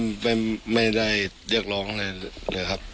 ก็ยังไม่ใช่เรียกร้องเลยครับ